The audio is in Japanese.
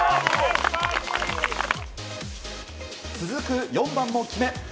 続く４番も決め